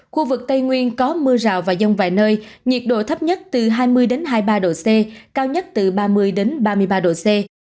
khu vực tây nguyên có mưa rào và rông vài nơi nhiệt độ thấp nhất từ hai mươi hai mươi ba độ c cao nhất từ ba mươi ba mươi ba độ c